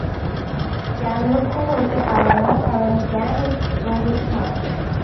জ্ঞান লক্ষ্য হইতে পারে না, কারণ জ্ঞান একটি যৌগিক ভাব।